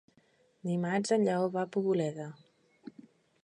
Dimarts en Lleó va a Poboleda.